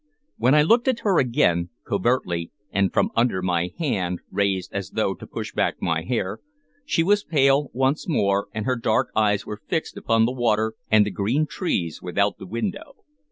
When I looked at her again, covertly, and from under my hand raised as though to push back my hair, she was pale once more, and her dark eyes were fixed upon the water and the green trees without the window.